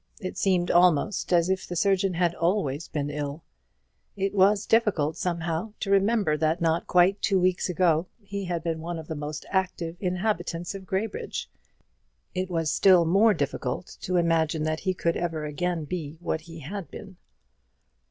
It seemed almost as if the surgeon had always been ill. It was difficult, somehow, to remember that not quite two weeks ago he had been one of the most active inhabitants of Graybridge; it was still more difficult to imagine that he could ever again be what he had been.